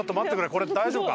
これ大丈夫か？